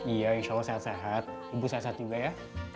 iya insya allah sehat sehat ibu sehat sehat juga ya